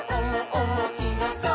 おもしろそう！」